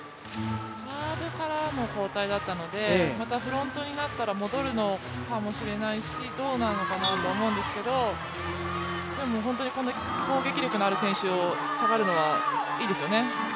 サーブからの交代だったのでまたフロントになったら戻るのかもしれないしどうなのかなと思うんですけれども、でも本当に攻撃力のある選手、下がるのはいいですよね。